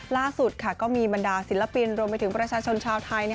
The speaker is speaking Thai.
ล่าสุดก็มีบรรดาศิลปินรวมไปถึงประชาชนชาวไทย